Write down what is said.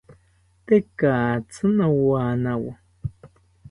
Tekatzi nowanawo